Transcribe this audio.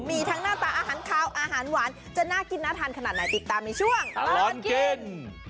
มีทั้งหน้าตาอาหารขาวอาหารหวานจะน่ากินน่าทานขนาดไหนติดตามในช่วงตลอดกิน